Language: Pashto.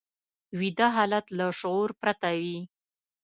ویده حالت له شعور پرته وي